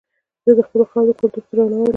زه د خپلې خاورې کلتور ته درناوی لرم.